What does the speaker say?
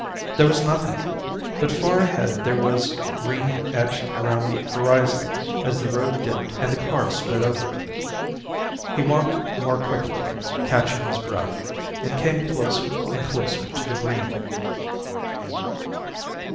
There was nothing. But far ahead there was green etched around the horizon as the road dipped and the cars sped over it. He walked more quickly, catching his breath, and came closer and closer to the green.